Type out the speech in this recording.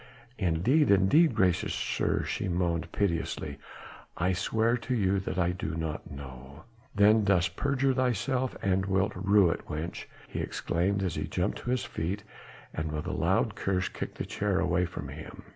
"Indeed, indeed, gracious sir," she moaned piteously, "I swear to you that I do not know." "Then dost perjure thyself and wilt rue it, wench," he exclaimed as he jumped to his feet, and with a loud curse kicked the chair away from him.